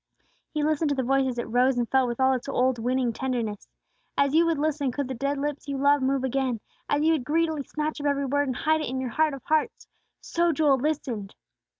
He listened to the voice as it rose and fell with all its old winning tenderness. As you would listen could the dead lips you love move again; as you would greedily snatch up every word, and hide it in your heart of hearts, so Joel listened.